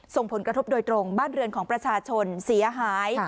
ส่งผลกระทบโดยตรงบ้านเรือนของประชาชนเสียหาย